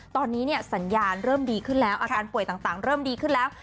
ตอนนี้เนี่ยสัญญาณเริ่มดีขึ้นแล้วอาการป่วยต่างเริ่มดีขึ้นแล้ว